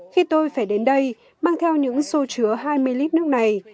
khi tôi phải đến đây mang theo những xô chứa hai mươi lít nước này